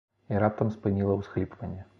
І раптам спыніла ўсхліпванне.